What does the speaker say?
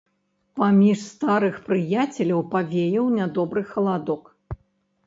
Паміж старых прыяцеляў павеяў нядобры халадок.